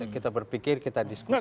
kita berpikir kita diskusikan